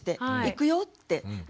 行くよって。